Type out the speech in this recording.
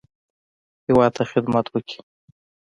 هیواد ته خدمت وکړي.